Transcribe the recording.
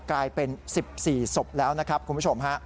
กลายเป็น๑๔ศพแล้วนะครับคุณผู้ชมฮะ